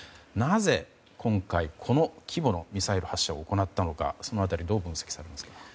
なぜ今回、この規模のミサイル発射を行ったのかその辺りどう分析されますか。